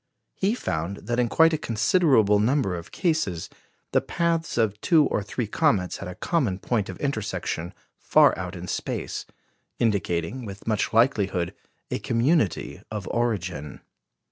He found that in quite a considerable number of cases, the paths of two or three comets had a common point of intersection far out in space, indicating with much likelihood a community of origin.